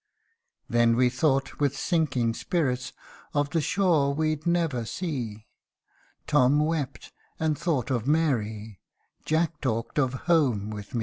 Then we thought, with sinking spirits, Of the shore we'd never see : Tom wept, and thought of Mary t Jack talked of home with me.